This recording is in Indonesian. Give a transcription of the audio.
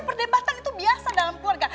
perdebatan itu biasa dalam keluarga